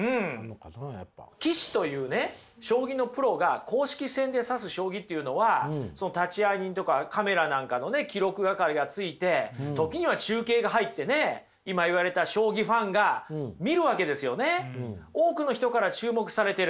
棋士というね将棋のプロが公式戦で指す将棋というのは立会人とかカメラなんかの記録係がついて時には中継が入ってね今言われた将棋ファンが見るわけですよね。